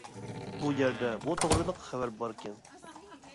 بۇ يەردە بۇ توغرىلىق خەۋەر باركەن.